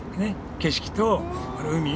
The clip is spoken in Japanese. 景色とこの海。